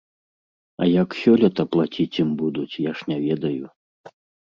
А як сёлета плаціць ім будуць, я ж не ведаю.